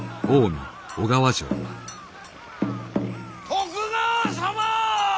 徳川様！